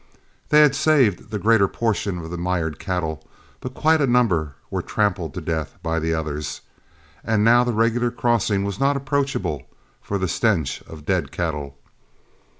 They had saved the greater portion of the mired cattle, but quite a number were trampled to death by the others, and now the regular crossing was not approachable for the stench of dead cattle.